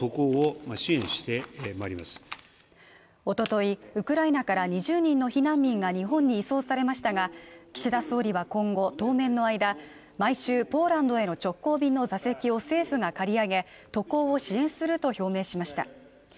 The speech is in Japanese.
おととい、ウクライナから２０人の避難民が日本に移送されましたが、岸田総理は今後、当面の間、毎週ポーランドへの直行便の座席を政府が借り上げ、渡航を支援すると表明しました。